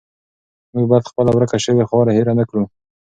موږ باید خپله ورکه شوې خاوره هیره نه کړو.